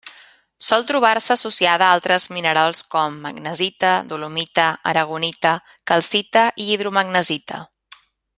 Sol trobar-se associada a altres minerals com: magnesita, dolomita, aragonita, calcita i hidromagnesita.